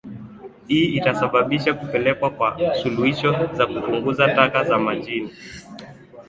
Hii itasababisha kupelekwa kwa suluhisho za kupunguza taka za majini